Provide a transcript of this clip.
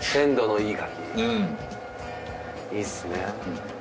いいですね。